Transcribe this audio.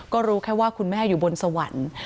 ก็รู้แค่ว่าคุณแม่อยู่บนสวรรค์